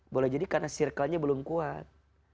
boleh jadi karena circle nya belum kuat